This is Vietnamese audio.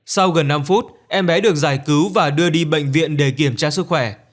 sau gần năm phút em bé được giải cứu và đưa đi bệnh viện để kiểm tra sức khỏe